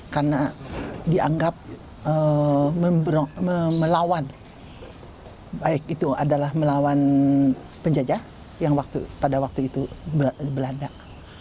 karena dianggap melawan penjajah yang pada waktu itu berlandak